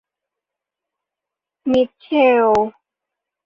มิทเชล